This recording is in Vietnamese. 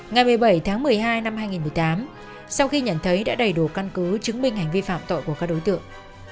ngày một mươi bảy tháng một mươi hai năm hai nghìn một mươi tám sau khi nhận thấy đã đầy đủ căn cứ chứng minh hành vi phạm tội của các đối tượng